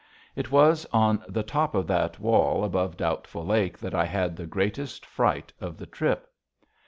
It was on the top of that wall above Doubtful Lake that I had the greatest fright of the trip.